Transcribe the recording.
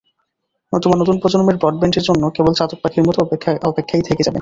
নতুবা নতুন প্রজন্মের ব্রডব্যান্ডের জন্য কেবল চাতক পাখির মতো অপেক্ষা অপেক্ষাই থেকে যাবে।